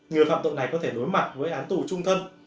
người phạm tội này có thể đối mặt với án tù trung thân